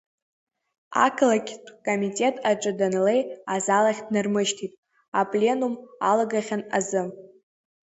Ақалақьтә комитет аҿы данлеи, азал ахь днармышьҭит, апленум алагахьан азы.